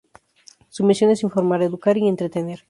Su misión es informar, educar y entretener.